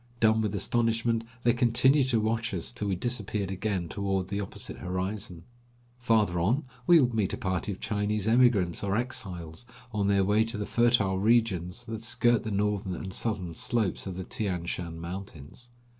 Dumb with astonishment they continued to watch us till we disappeared again toward the opposite horizon. Farther on we would meet a party of Chinese emigrants or exiles, on their way to the fertile regions that skirt the northern and southern slopes of the Tian Shan mountains.